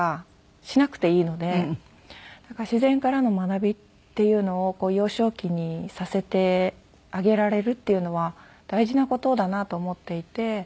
だから自然からの学びっていうのを幼少期にさせてあげられるっていうのは大事な事だなと思っていて。